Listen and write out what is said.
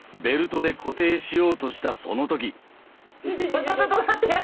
ベルトで固定しようとしたその時。